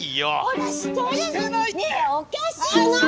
ねえおかしい！